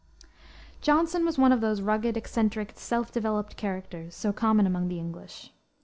Johnson was one of those rugged, eccentric, self developed characters, so common among the English.